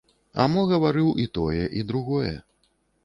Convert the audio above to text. А мо гаварыў і тое і другое.